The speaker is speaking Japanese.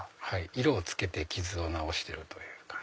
色を付けて傷を直してるという。